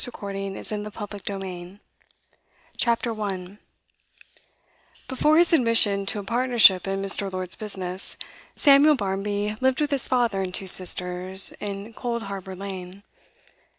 Part IV: The Veiled Figure CHAPTER 1 Before his admission to a partnership in Mr. Lord's business, Samuel Barmby lived with his father and two sisters in Coldharbour Lane.